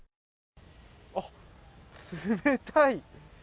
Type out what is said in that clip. あ、冷たい！